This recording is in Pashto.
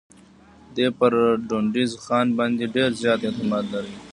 دی پر ډونډي خان باندي ډېر زیات اعتماد لري.